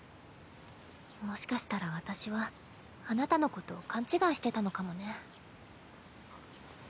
もしかしたら私はあなたのことを勘違いしてたのかもね。